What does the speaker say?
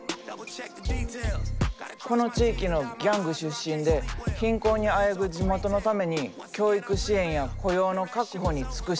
この地域のギャング出身で貧困にあえぐ地元のために教育支援や雇用の確保に尽くしたんや。